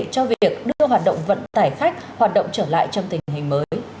cho việc đưa hoạt động vận tải khách hoạt động trở lại trong tình hình mới